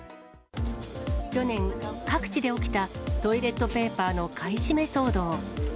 去年、各地で起きたトイレットペーパーの買い占め騒動。